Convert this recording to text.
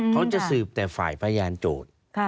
เขาจะสืบแต่ฝ่ายพยานโจทย์